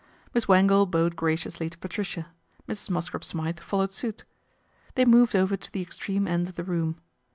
Miss Wangle bowed graciously to Patricia, Mrs. Mosscrop Smythe followed suit. They moved over to the extreme end of the room.